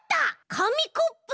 かみコップ！